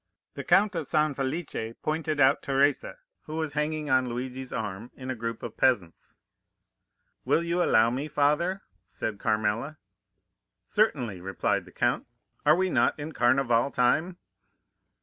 The Count of San Felice pointed out Teresa, who was hanging on Luigi's arm in a group of peasants. "'Will you allow me, father?' said Carmela. "'Certainly,' replied the count, 'are we not in Carnival time?